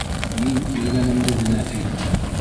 Мин белгәнемде генә әйттем.